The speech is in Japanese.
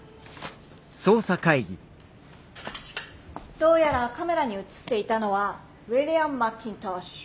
どうやらカメラに写っていたのはウィリアム・マッキントッシュ。